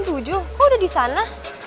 kok udah disana